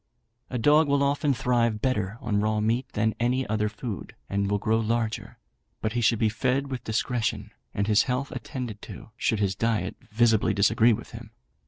A dog will often thrive better on raw meat than on any other food, and will grow larger; but he should be fed with discretion, and his health attended to, should his diet visibly disagree with him.